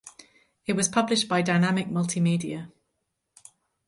It was published by Dinamic Multimedia.